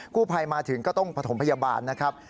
กู้ภัยมาถึงก็ต้องประถมพยาบาลนะครับ